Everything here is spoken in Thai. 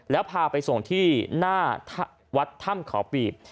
แล้วพาไปส่งที่หน้าวัดถ้ำเขาปีบ